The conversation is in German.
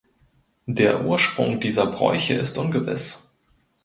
Der Ursprung dieser Bräuche ist ungewiss.